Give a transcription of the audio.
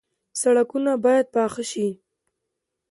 سړکونه باید پاخه شي